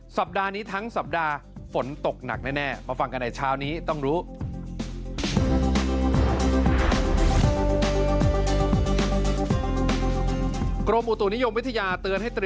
สัปดานี้ทั้งสัปดาห์ฝนตกหนักแน่แน่